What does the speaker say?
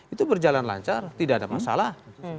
itu berjalan lancar tidak ada masalah